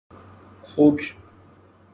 خوک